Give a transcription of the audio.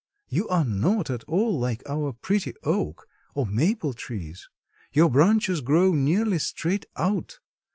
You are not at all like our pretty oak or maple trees. Your branches grow nearly straight out.